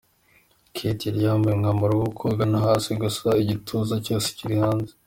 Kate yari yambaye umwambaro wo kogana hasi gusa, igituza cyose kiri hanze.